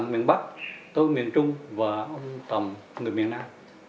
tối miền bắc tối miền trung và ông tầm người miền nam